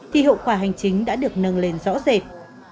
thì hậu quả hành chính đã được nâng lên rõ rệt